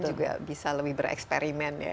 juga bisa lebih bereksperimen ya